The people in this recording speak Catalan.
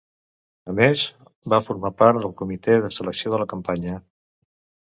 A més va formar part del comitè de selecció de la campanya.